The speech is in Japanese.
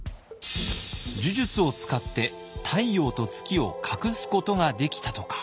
呪術を使って太陽と月を隠すことができたとか。